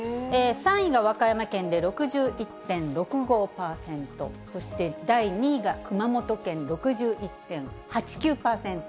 ３位が和歌山県で６１．６５％、そして第２位が熊本県、６１．８９％。